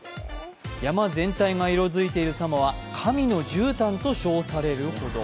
山全体が色づいているさまは、神のじゅうたんと称されるほど。